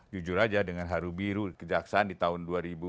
jujur saja dengan haru biru kejaksaan di tahun dua ribu dua puluh dua